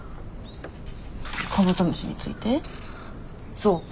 そう。